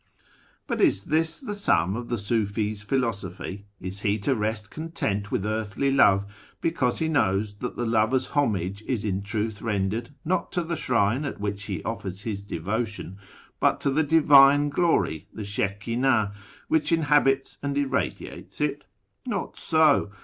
But is this the sum of the Sufi's philosophy ? Is he to rest content with earthly love, because he knows that the lover's homage is in truth rendered, not to the shrine at which he offers his devotion, but to the Divine Glory — the Shekinah — which inhabits and irradiates it? Not so.